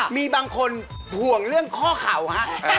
มีบางคนห่วงเรื่องข้อเข่าฮะ